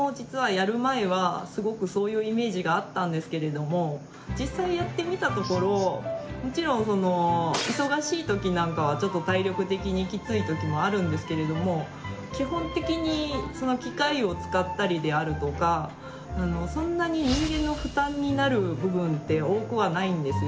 私も実は実際やってみたところもちろん忙しい時なんかはちょっと体力的にキツイ時もあるんですけれども基本的に機械を使ったりであるとかそんなに人間の負担になる部分って多くはないんですよ。